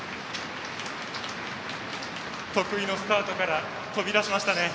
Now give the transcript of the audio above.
得意のスタートから飛び出しましたね。